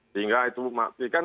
sehingga itu maksimal